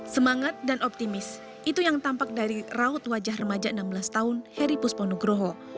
semangat dan optimis itu yang tampak dari raut wajah remaja enam belas tahun heri pusponugroho